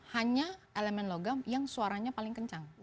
hanya elemen logam yang suaranya paling kencang